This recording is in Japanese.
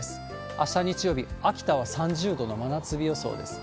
あした日曜日、秋田は３０度の真夏日予想です。